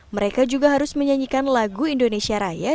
mereka juga harus menyanyikan lagu indonesia raya